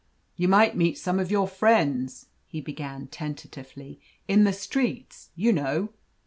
"You might meet some of your friends," he began tentatively, "in the streets, you know."